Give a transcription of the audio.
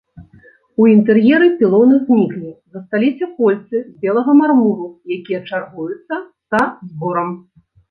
У інтэр'еры пілоны зніклі, засталіся кольцы з белага мармуру, якія чаргуюцца са зборам.